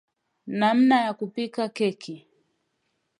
namna ya kupika keki